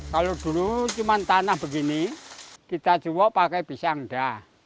kalau dulu cuma tanah begini kita jemuk pakai pisang dah